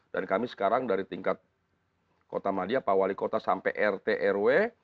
dan kami sekarang dari tingkat kota madya pak wali kota sampai rt rw